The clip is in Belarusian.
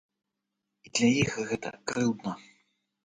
І для іх гэта крыўдна.